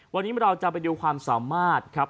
วันนี้เราจะไปดูความสามารถครับ